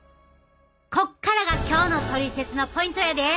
こっからが今日のトリセツのポイントやで！